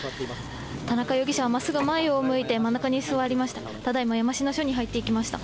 田中容疑者はまっすぐ前を向いて、真ん中に座りました。